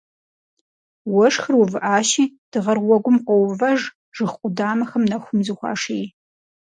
Уэшхыр увыӏащи, дыгъэр уэгум къоувэж, жыг къудамэхэм нэхум зыхуаший.